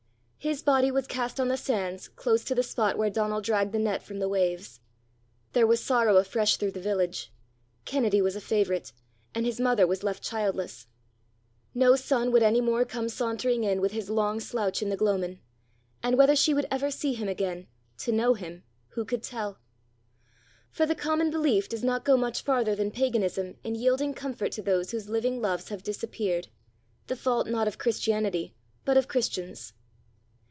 His body was cast on the sands close to the spot where Donal dragged the net from the waves. There was sorrow afresh through the village: Kennedy was a favourite; and his mother was left childless. No son would any more come sauntering in with his long slouch in the gloamin'; and whether she would ever see him again to know him who could tell! For the common belief does not go much farther than paganism in yielding comfort to those whose living loves have disappeared the fault not of Christianity, but of Christians.